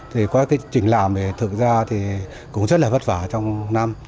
thì qua cái trình làm thì thực ra thì cũng rất là vất vả trong năm